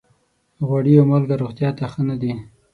غوړي او مالګه روغتیا ته ښه نه دي.